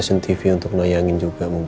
ini ketukang loak